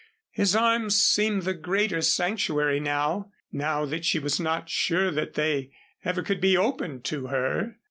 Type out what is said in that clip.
His arms seemed the greater sanctuary now now that she was not sure that they ever could be opened to her.